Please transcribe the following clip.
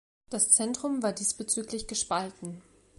Das Zentrum war diesbezüglich gespalten.